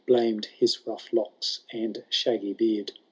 Blamed his rough locks and shaggy beard.